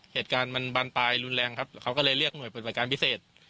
เหตุการณ์มันบานปลายรุนแรงครับเขาก็เลยเรียกหน่วยปฏิบัติการพิเศษ